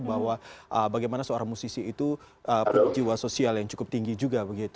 bahwa bagaimana seorang musisi itu punya jiwa sosial yang cukup tinggi juga